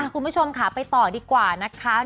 คุณผู้ชมค่ะไปต่อดีกว่านะคะ